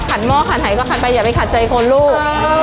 หม้อขัดหายก็ขัดไปอย่าไปขัดใจคนลูก